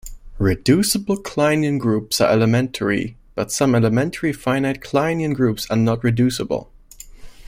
Reducible Kleinian groups are elementary, but some elementary finite Kleinian groups are not reducible.